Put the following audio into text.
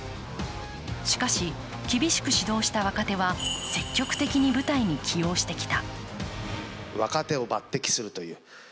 しかし、厳しく指導した若手は積極的に舞台に起用してきた。